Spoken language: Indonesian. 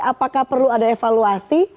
apakah perlu ada evaluasi